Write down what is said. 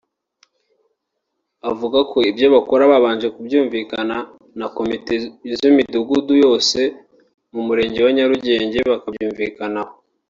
Avuga ko ibyo bakora babanje kubyumvikana na komite z’imidugudu yose yo mu Murenge wa Nyarugenge bakabyumvikanaho